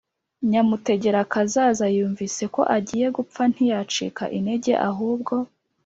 nyamutegerakazaza yumvise ko agiye gupfa ntiyacika intege, ahubwo